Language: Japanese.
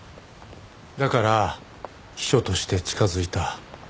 だから秘書として近づいた。